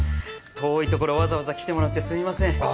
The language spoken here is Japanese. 遠いところわざわざ来てもらってすみません。